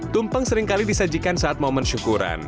tumpeng seringkali disajikan saat momen syukuran